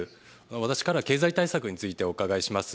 私からは経済対策についてお伺いします。